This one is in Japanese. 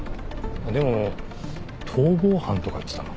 でも「逃亡犯」とか言ってたな。